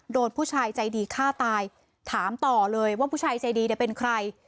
โดนผู้ชายใจดีฆ่าตายถามต่อเลยว่าผู้ชายใจดีเนี่ยเป็นใคร